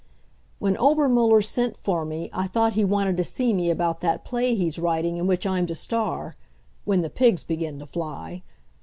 When Obermuller sent for me I thought he wanted to see me about that play he's writing in which I'm to star when the pigs begin to fly.